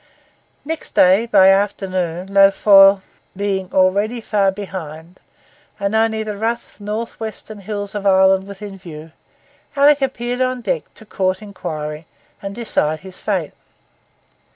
Next day by afternoon, Lough Foyle being already far behind, and only the rough north western hills of Ireland within view, Alick appeared on deck to court inquiry and decide his fate.